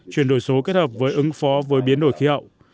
chuyển đổi số kết hợp với ứng phó với biến đổi khí hậu